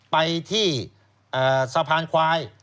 ไปที่สะพานควาย